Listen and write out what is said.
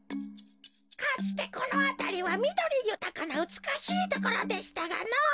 かつてこのあたりはみどりゆたかなうつくしいところでしたがのぉ。